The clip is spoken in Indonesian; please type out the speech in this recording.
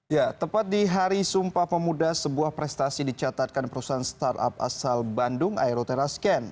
ya tepat di hari sumpah pemuda sebuah prestasi dicatatkan perusahaan startup asal bandung aeroterascan